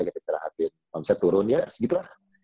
kita istirahatin kalau misalnya turun ya segitu lah